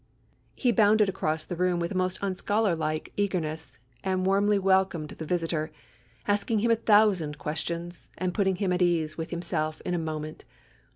He bounded across the room with a most unscholar like eagerness, and warmly welcomed the visitor, asking him a thousand questions, and putting him at ease with himself in a moment.